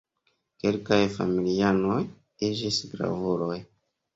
Kelkaj familianoj iĝis gravuloj.